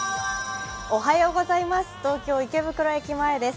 東京・池袋駅前です。